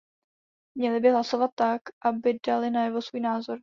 Měli by hlasovat tak, aby dali najevo svůj názor.